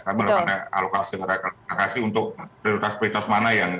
tapi karena alokasi yang diberikan untuk prioritas prioritas mana yang